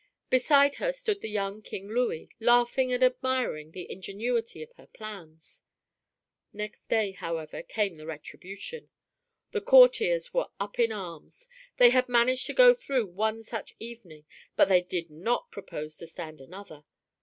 Beside her stood the young King Louis, laughing and admiring the ingenuity of her plans. Next day, however, came the retribution. The courtiers were up in arms. They had managed to go through one such evening, but they did not propose to stand another.